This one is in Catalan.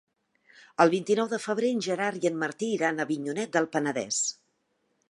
El vint-i-nou de febrer en Gerard i en Martí iran a Avinyonet del Penedès.